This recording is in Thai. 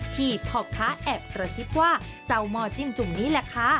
พ่อค้าแอบกระซิบว่าเจ้าหม้อจิ้มจุ่มนี้แหละค่ะ